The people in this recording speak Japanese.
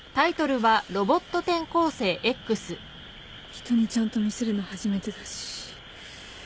人にちゃんと見せるの初めてだし緊張する。